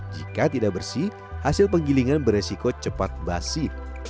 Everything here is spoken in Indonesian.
jika tidak bersih hasil penggilingan beresiko cepat basi